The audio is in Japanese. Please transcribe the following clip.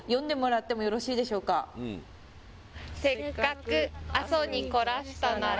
この「せっかく阿蘇に来らしたなら」